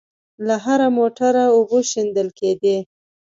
له هره موټره اوبه شېندل کېدې.